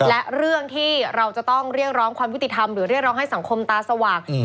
และเรื่องที่เราจะต้องเรียกร้องความยุติธรรมหรือเรียกร้องให้สังคมตาสว่าง